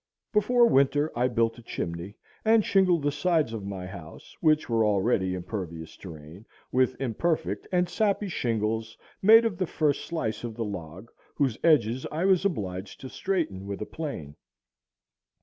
Before winter I built a chimney, and shingled the sides of my house, which were already impervious to rain, with imperfect and sappy shingles made of the first slice of the log, whose edges I was obliged to straighten with a plane.